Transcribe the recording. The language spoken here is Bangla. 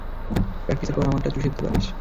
প্র্যাকটিসের পর আমারটা চুষে দিতে পারিস।